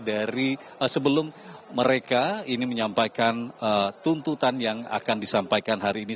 dari sebelum mereka ini menyampaikan tuntutan yang akan disampaikan hari ini